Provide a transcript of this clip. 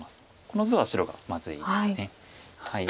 この図は白がまずいです。